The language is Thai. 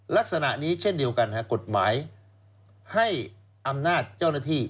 ลักษณะนี้เช่นเดียวกันกฎหมายให้อำนาจเจ้าหน้าที่